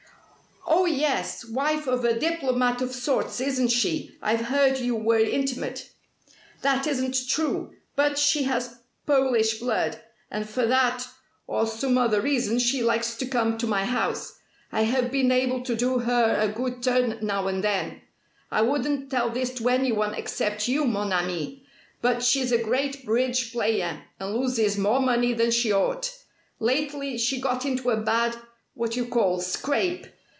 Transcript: "Oh, yes wife of a diplomat of sorts, isn't she? I've heard you were intimate." "That isn't true; but she has Polish blood, and for that or some other reason she likes to come to my house. I have been able to do her a good turn now and then. I wouldn't tell this to any one except you, mon ami, but she's a great bridge player, and loses more money than she ought. Lately she got into a bad what you call scrape.